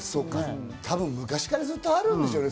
多分、昔からずっとあるんでしょうね。